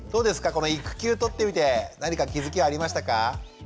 この育休取ってみて何か気付きありましたか？